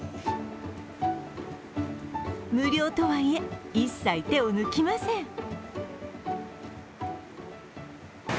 無料とはいえ、一切手を抜きません